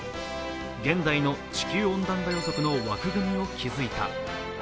現代の地球温暖化予測の枠組みを築いた。